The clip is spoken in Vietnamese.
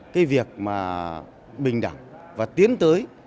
cái việc mà bình đẳng và tiến tới